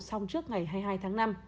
sau trước ngày hai mươi hai tháng năm